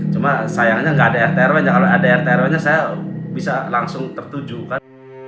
cuma sayangnya nggak ada rtrw kalau ada rtrw nya saya bisa langsung tertujukan